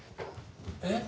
えっ？